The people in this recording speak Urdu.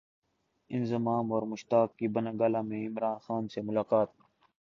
انضمام اور مشتاق کی بنی گالا میں عمران خان سے ملاقات